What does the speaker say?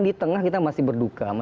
di tengah kita masih berduka